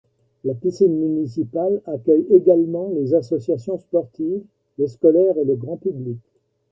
La piscine municipale accueille également les associations sportives, les scolaires et le grand public.